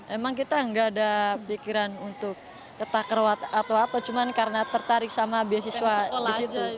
emang kita gak ada pikiran untuk ke takraw atau apa cuman karena tertarik sama beasiswa di situ